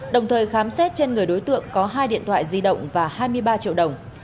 đồng thời khám xét trên người đối tượng có hai điện thoại di động và hai mươi ba triệu đồng